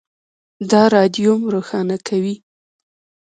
د رادیوم روښانه کوي.